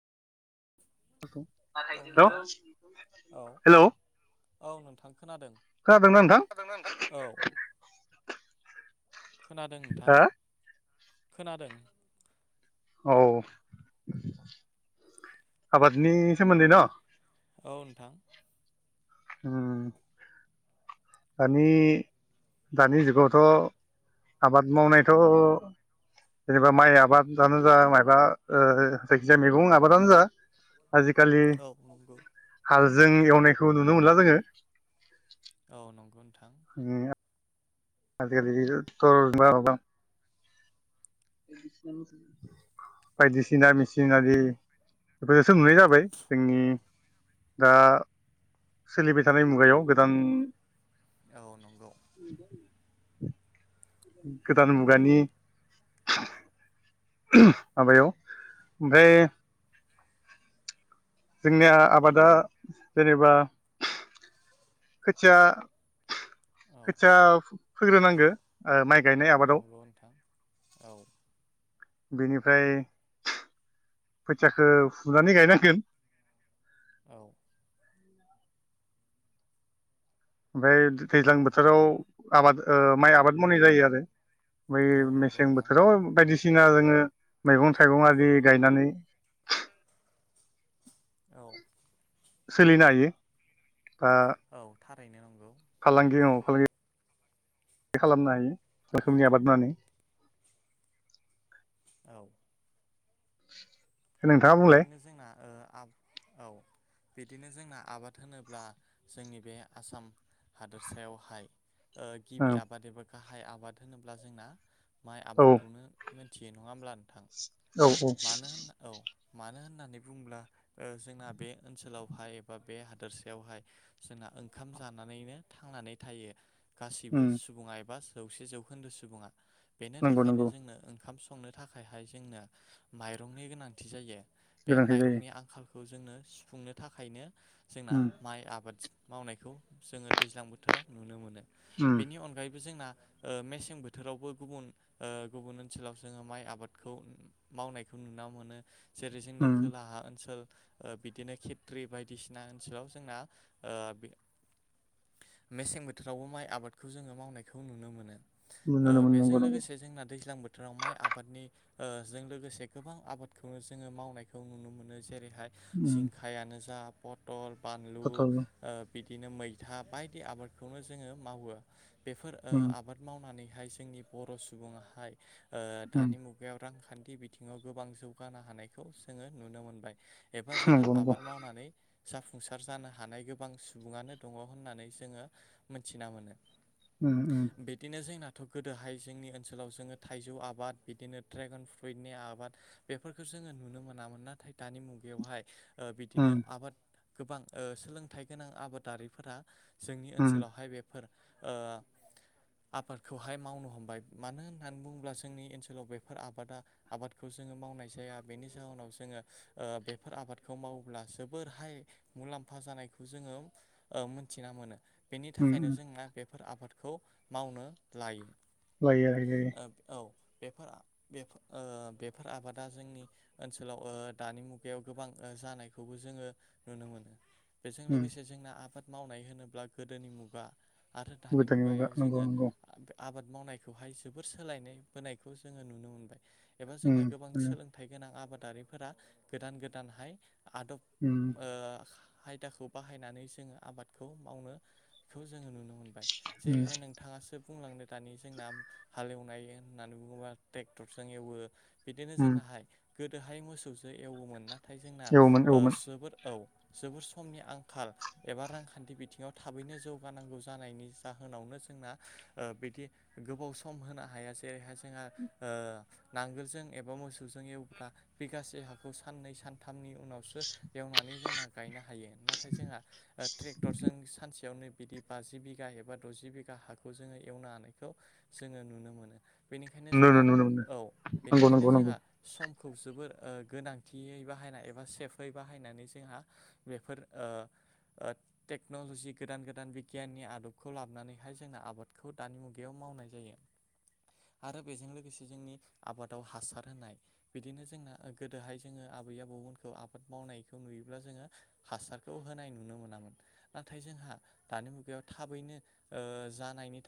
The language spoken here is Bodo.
औ हेलौ नोंथां औ हेलौ औ नोंथां खोनादों खोनादोंना नोंथां खोनादों ना नोंथां औ खोनादों नोंथां हा खोनादों औ आबादनि सोमोन्दै न? औ नोंथां [unintelligible] दानि दानि जुगावथ' आबाद मावनायथ' जेनेबा माइ आबादानो जा मयबा जायखिजाया मैगं आबादानो जा आजिखालि औ नंगौ हालजों एवनायखौ नुनो मोनला जोङो। औ नंगौ नोंथां [unintelligible] बायदिसिना मेचिनारि बेफोरजोंसो नुनाय जाबाय जोंनि दा सोलिबाय थानाय मुगायाव गोदान औ नंगौ गोदान मुगानि माबायाव ओमफ्राय जोंनिया आबादा जेनेबा खोथिया औ खोथिया फोग्रो नांगो माइ गायनाय आबादाव नंगौ नोंथां औ बेनिफ्राय खोथियाखो फुनानै गायनांगोन। औ [unintelligible] ओमफ्राय दैज्लां नंगौ बोथोराव आबाद माइ आबाद मावनाय जायो आरो। बै औ नंगौ मेसें नोंथां बोथोराव बायदिसिना ना जोङो मैगं थाइगं आरि गायनानै औ सोलिनो हायो आं औ थारैनो नंगौ फालांगियाव फालांगि खालामनो हायो रोखोमनि आबाद मावनानै औ [inaudible] बुंलाय बिदिनो जोंनाव बिदिनो जोंना आबाद होनोब्ला जोंनि बे आसाम हादोरसायावहाय औ गिबि आबाद एबा गाहाय आबाद होनोब्ला जोंना माइ औ आबादखौनो थि नङाब्ला औ औ मानो होननानै बुङोब्ला जोंना बे ओनसोलावहाय एबा बे हादोरसायावहाय जोंना ओंखाम जानानैनो थांनानै थायो। गासिबो उम सुबुङा एबा जौसे जौखोन्दो सुबुङा बेनि नंगौ थाखायनो नंगौ जोंनो ओंखाम संनो संनो थाखायहाय जोंनो माइरंनि गोनांथि जायो बे गोनांथि जायो माइरंनि आंखाल खौ जोंङो सुफुंनो थाखायनो जोंना उम माइ आबादजों मावनायखौ जोङो दैज्लां बोथोराव नुनो मोनो उम बेनि अनगायैबो जोंना मेसें बोथोरावबो गुबुन गुबुन ओनसोलाव जोङो माइ आबादखौ मावनायखौ नुनो मोनो जेरै जोंनि उम खोलाहा ओनसोल बिदिनो खेत्रि बायदिसिना ओनसोलाव जोंना बे मेसें बोथोरावबो माइ आबादखौ जोङो मावनायखौ नुनो मोनो। नुनो मोनो नंगौ बेजों नंगौ लोगोसे जोंना दैज्लां बोथोराव माइ आबादनि जों लोगोसे गोबां आबादखौनो जोङो मावनायखौ नुनो मोनो। जेरै बेहाय उम जिंखायानो जा पटल बानलु ओ पटल बिदिनो मैथा बायदि आबादखौनो जोङो मावो बेफोर ओ उम आबाद मावनानै हाय जोंनि बर' सुबुङाहाय उम दानि मुगायाव रां खान्थि बिथिङाव गोबां जौगानो हानायखौ जोङो नुनो मोनबाय एबा जोंना नंगौ नंगौ आबाद मावनानै जाफुंसार जानो हानाय गोबां सुबुङानो दङ होननानै जोङो मोनथिना मोनो उम उम बेदिनो जोंना थ' गोदोहाय जोंनि ओनसोलाव जोङो थाइजौ आबाद बिदिनो ड्रेगन फ्रुइटनि आबाद बेफोरखौ जोङो नुनो मोनामोन नाथाय दानि मुगायावहाय ओ बिदिनो उम आबाद गोबां ओ सोलोंथाइ गोनां आबादारिफोरा जोंनि उम ओनसोलावहाय बेफोर ओ आबादखौहाय मावनो हमबाय मानो होननानै बुङोब्ला जोंनि ओनसोलाव बेफोर आबादा आबादखौ जोङो मावनाय जाया बेनि जाहोनाव जोङो ओ बेफोर आबादखौ मावोब्ला जोबोरहाय मुलाम्फा जानायखौ जोङो ङो ओ मोनथिना मोनो बेनि उम थाखायनो उम जोंना बेफोर आबादखौ मावनो लायो लायो [unintelligible] औ बेफोर ओ बेफोर आबादा जोंनि ओनसोलाव ओ दानि मुगायाव गोबां जानायखौबो जोङो नुनो मोनो बेजों उम लोगोसे जोंना आबाद मावनाय होनोब्ला गोदोनि मुगा आरो दानि गोदोनि मुगा मुगायाव नंगौ जोङो नंगौ आबाद मावनायखौहाय जोबोर सोलायनाय बोनायखौ जोङो नुनो मोनबाय एबा जोंना उम गोबां उम सोलों गोनां आबादारिफोरा गोदान गोदानहाय आदब उम आयदाखौ बाहायनानै जोङो आबादखौ मावनो बेखौ जोङो नुनो मोनबाय उम जेरैहाय नोंथाङा सो सुफुंलांनो दानि जोंना हालेवनाय होननानै बुङोबा ट्रेक्टरजों एवो बिदिनो उम जोंनाहाय गोदोहाय मोसौजो एवोमोन नाथाय जोंना एवोमोन एवोमोन जोबोद औ जोबोर समनि आंखाल एबा रांखान्थि बिथिङाव थाबैनो जौगानांगौ जानायनि जाहोनावनो [unintelligible] ओ बिदि गोबाव सम होनो हाया जेरैाय जों ओ नांगोल एबा मोसौजों एवोबा बे गासै हाखौ साननै सानथामनि उनाव सो एवनानै जोंहा गायनो हायो नाथाय जोंहा ट्रेक्टर जों सानसे [unintelligible] बिदि बाजि बिघा एबा द'जि बिघा हाखौ जोङो एवनो हानायखौ जोङो नुनो मोनो बेनिखायनो नुनो जोंहा मोनो नुनो मोनो औ नंगौ बेनिखायनो नंगौ नंगौ जोंहा समखौ जोबोर ओ गोनांथियै बाहायनाय एबा सेफै बाहायनानै जोंहा बेफोर ओ ओ टेक्न'लजि गोदान गोदान बिगियाननि आदबखौ लाबोनानैहाय जोंना आबादखौ दानि मुगायाव मावनाय जायो आरो बेजों लोगोसे जोंनि आबादाव हासार होनाय बिदिनो जोंना गोदोहाय जोङो आबै आबौमोनखौ आबाद मावनायखौ नुयोब्ला जोङो हासार खौ होनाय नुनो मोनामोन नाथाय जोंहा दानि मुगायाव थाबैनो ओ जानायनि थाखाय